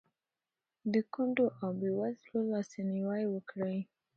د کونډو او بېوزلو لاسنیوی وکړئ.